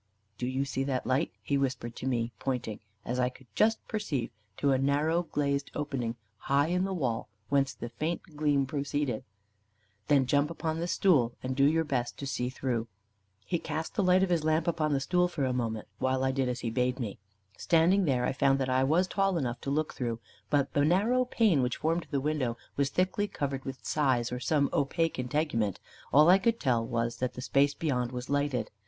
"Do you see that light?" he whispered to me, pointing, as I could just perceive, to a narrow glazed opening high in the wall, whence the faint gleam proceeded. "Then jump upon this stool, and do your best to see through." He cast the light of his lamp upon the stool for a moment, while I did as he bade me. Standing there, I found that I was tall enough to look through; but the narrow pane which formed the window was thickly covered with size, or some opaque integument. All I could tell was, that the space beyond was lighted.